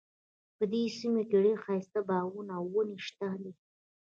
په دې سیمه کې ډیر ښایسته باغونه او ونې شته دي